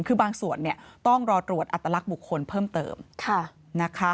คือบางส่วนเนี่ยต้องรอตรวจอัตลักษณ์บุคคลเพิ่มเติมนะคะ